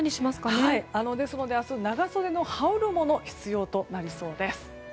ですので明日長袖の羽織るものが必要となりそうです。